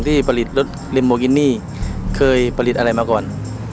ที่ผลิตรสลิมโมกินี่เคยผลิตอะไรมาก่อน